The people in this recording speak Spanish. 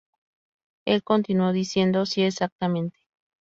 Él continuó diciendo ""Sí, exactamente.